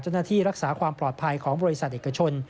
รักษาความปลอดภัยของบริษัทเอกชน